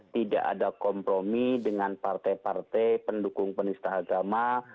tidak ada kompromi dengan partai partai pendukung penista agama